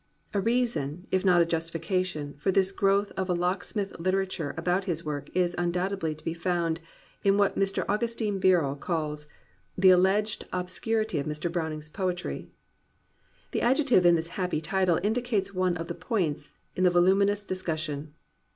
A reason, if not a justification, for this growth of a locksmith literature about his work is undoubt edly to be found in what Mr. Augustine Birrell calls "The Alleged Obscurity of Mr. Browning's Poetry." The adjective in this happy title indicates one of the points in the voluminous discussion.